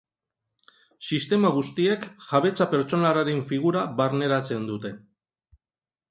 Sistema guztiek jabetza pertsonalaren figura barneratzen dute.